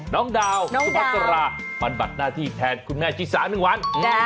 น้องดาวสุภัษรามันบัดหน้าที่แทนคุณแม่จิสาหนึ่งวัน